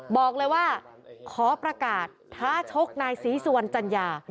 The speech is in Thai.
บอกเลยว่าขอประกาศท้าชกนายศรีสุวรรณจัญญา